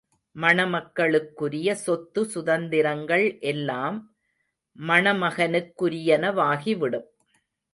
மணமகளுக்குரிய சொத்து சுதந்திரங்கள் எல்லாம் மணமகனுக்குரியனவாகிவிடும்.